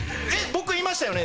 僕言いましたよね？